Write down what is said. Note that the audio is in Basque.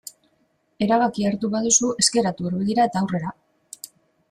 Erabakia hartu baduzu ez geratu hor begira eta aurrera.